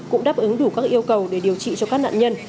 cũng đáp ứng đủ các yêu cầu để điều trị cho các nạn nhân